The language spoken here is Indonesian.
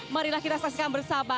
marilah kita saksikan bersama